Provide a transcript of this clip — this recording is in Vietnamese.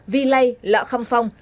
vi lây lạ khăm phong